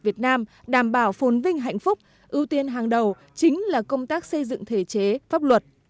việt nam đảm bảo phồn vinh hạnh phúc ưu tiên hàng đầu chính là công tác xây dựng thể chế pháp luật